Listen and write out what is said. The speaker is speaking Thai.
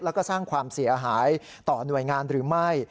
แล้วก็สร้างความเสียหายต่อหน่วยงานหรือไม่